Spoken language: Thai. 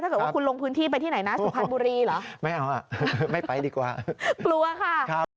ถ้าเกิดว่าคุณลงพื้นที่ไปที่ไหนสุพันธ์บุรีหรือ